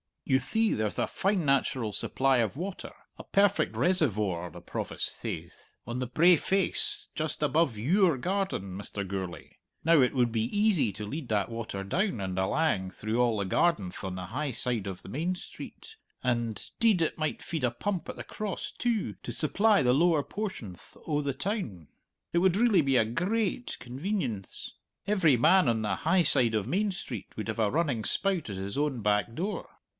"You thee, there'th a fine natural supply of water a perfect reservore the Provost sayth on the brae face just above your garden, Mr. Gourlay. Now, it would be easy to lead that water down and alang through all the gardenth on the high side of Main Street and, 'deed, it might feed a pump at the Cross, too, to supply the lower portionth o' the town. It would really be a grai ait convenience. Every man on the high side o' Main Street would have a running spout at his own back door!